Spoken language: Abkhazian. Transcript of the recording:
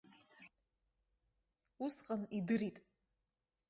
Усҟан идырит.